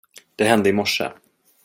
Det hände i morse.